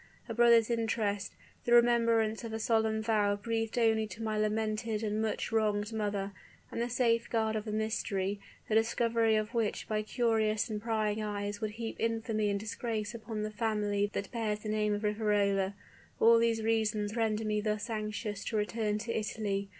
A brother's interest, the remembrance of a solemn vow breathed only to my lamented and much wronged mother and the safeguard of a mystery, the discovery of which by curious and prying eyes would heap infamy and disgrace upon the family that bears the name of Riverola all these reasons render me thus anxious to return to Italy.